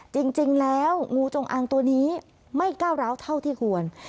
จริงแล้วงูจงอางตัวนี้ไม่ก้าวร้าวเท่าที่ควร